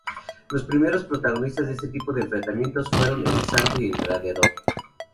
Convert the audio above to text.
Los primeros protagonistas de este tipo de enfrentamientos fueron El Santo y El Gladiador.